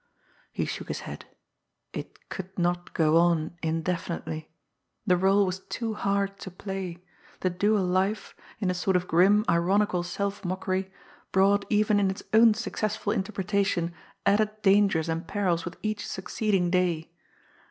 He shook his head. It could not go on indefinitely. The role was too hard to play; the dual life, in a sort of grim, ironical self mockery, brought even in its own successful interpretation added dangers and perils with each succeeding day.